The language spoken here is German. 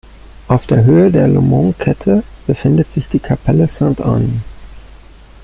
Auf der Höhe der Lomontkette befindet sich die Kapelle Sainte-Anne.